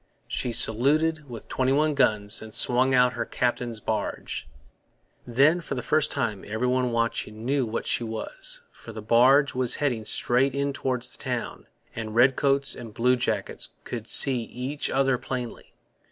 She saluted with twenty one guns and swung out her captain's barge. Then, for the first time, every one watching knew what she was; for the barge was heading straight in towards the town, and redcoats and bluejackets could see each other plainly.